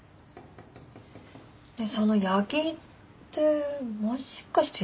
その八木ってもしかして八木先輩？